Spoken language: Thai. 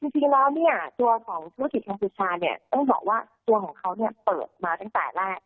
จริงแล้วเนี่ยตัวของธุรกิจกัมพูชาเนี่ยต้องบอกว่าตัวของเขาเนี่ยเปิดมาตั้งแต่แรก